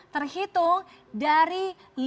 terhitung dari lima belas